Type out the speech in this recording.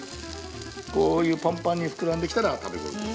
こういうパンパンに膨らんできたら食べごろです。